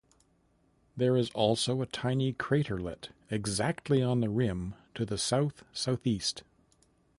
There is also a tiny craterlet exactly on the rim to the south-southeast.